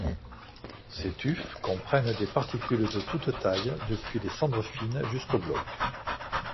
Ces tufs comprennent des particules de toutes tailles, depuis les cendres fines jusqu'aux blocs.